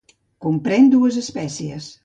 Comprèn dues espècies.